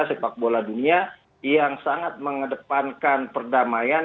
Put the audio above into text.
sepak bola dunia yang sangat mengedepankan perdamaian